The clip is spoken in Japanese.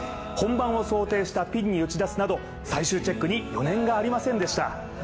本番を想定したピンに打ち出すなど最終チェックに余念がありませんでした。